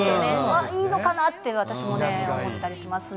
いいのかなって、私も思ったりしますね。